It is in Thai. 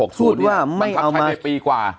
บันทึกใครได้ปีกว่า